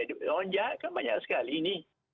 orang jahat kan banyak sekali ini